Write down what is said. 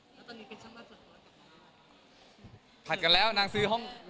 แล้วตอนนี้กินชั่วมากเกิดอะไรกันบ้าง